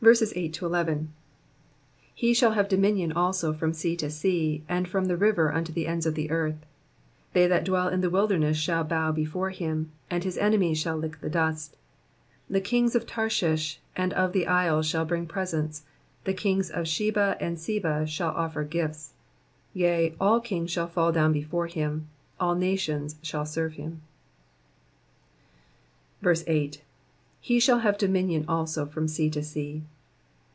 8 He shall have dominion also from sea to sea, and from the river unto the ends of the earth. 9 They that dwell in the wilderness shall bow before him ; and his enemies shall lick the dust. 10 The kings of Tarshish and of the isles shall bring pres ents : the kings of Sheba and Seba shall olTer gifts. 11 Yea, all kings shall fall down before him: all nations shall serve him. 8. ^''He shall have dominion also from sea to sea.''''